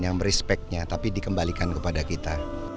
yang merespectnya tapi dikembalikan kepada kita